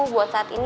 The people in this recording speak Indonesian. buat saat ini